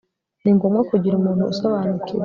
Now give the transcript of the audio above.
ni ngombwa kugira umuntu usobanukiwe